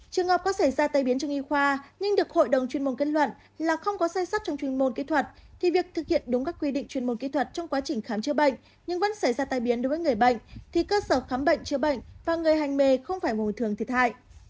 trường hợp có xảy ra tai biến trong y khoa nhưng được hội đồng chuyên môn kết luận là không có say sát trong chuyên môn kỹ thuật thì việc thực hiện đúng các quy định chuyên môn kỹ thuật trong quá trình khám chữa bệnh nhưng vẫn xảy ra tai biến đối với người bệnh thì cơ sở khám bệnh chữa bệnh và người hành nghề không phải ngồi thường thiệt hại